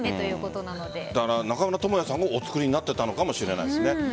中村倫也さんがお作りになっていたのかもしれないですね。